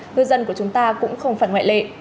ngư dân của chúng ta cũng không phải ngoại lệ